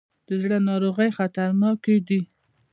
د زړه ناروغۍ خطرناکې دي.